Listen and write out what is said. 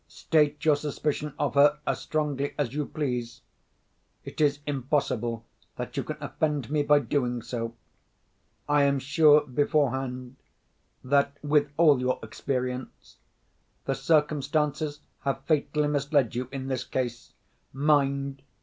State your suspicion of her as strongly as you please—it is impossible that you can offend me by doing so. I am sure, beforehand, that (with all your experience) the circumstances have fatally misled you in this case. Mind!